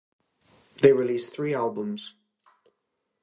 They released three albums.